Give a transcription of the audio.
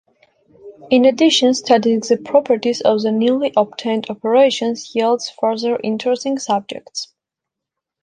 In addition, studying the properties of the newly obtained operations yields further interesting subjects.